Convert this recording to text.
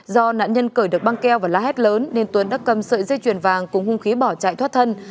do nạn nhân cởi được băng keo và la hét lớn nên tuấn đã cầm sợi dây chuyền vàng cùng hung khí bỏ chạy thoát thân